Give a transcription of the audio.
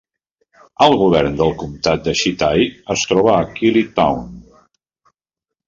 El govern del comtat de Shitai es troba a Qili Town.